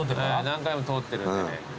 何回も通ってるんでね。